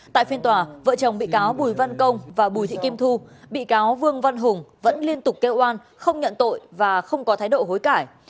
tại phiên tòa vợ chồng bị cáo bùi văn công và bùi thị kim thu bị cáo vương văn hùng vẫn liên tục kêu oan không nhận tội và không có thái độ hối cãi